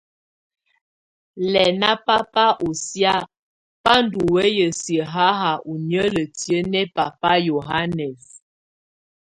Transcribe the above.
Lɛna baba ɔsia ba ndɔ wɛya siə haha ɔ nieleti nɛ baba Yohanɛs.